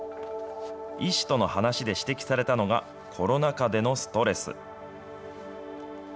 医師との話で指摘されたのが、コロナ禍でのストレス。